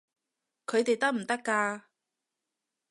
佢哋得唔得㗎？